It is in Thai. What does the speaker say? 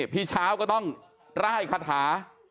พี่เช้าก็ต้องร่ายคาถา